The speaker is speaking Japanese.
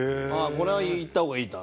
これはいった方がいいと。